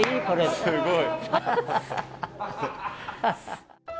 すごい。